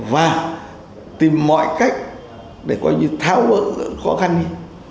và tìm mọi cách để coi như tháo vỡ khó khăn đi